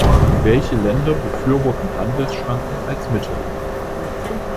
Welche Länder befürworten Handelsschranken als Mittel?